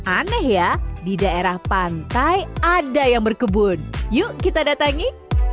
aneh ya di daerah pantai ada yang berkebun yuk kita datangi